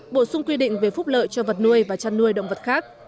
bổ sung quy định về phúc lợi cho vật nuôi và chăn nuôi động vật khác